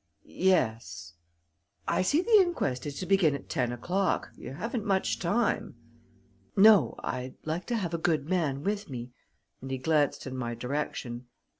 "Yes I see the inquest is to begin at ten o'clock. You haven't much time." "No I'd like to have a good man with me," and he glanced in my direction.